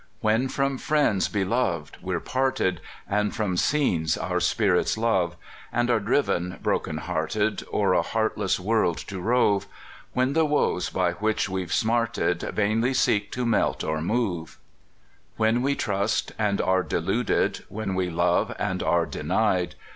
263 When from friends beloved we're parted, And from scenes our spirits love, And are driven, broken hearted, O'er a heartless world to rove; When the woes by which we've smarted, Vainly seek to melt or move; When we trust and are deluded, When we love and are denied.